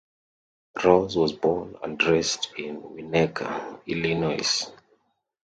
Ross was born and raised in Winnetka, Illinois.